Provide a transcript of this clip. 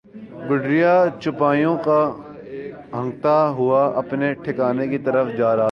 گڈریا چوپایوں کو ہانکتا ہوا اپنے ٹھکانے کی طرف جا رہا تھا۔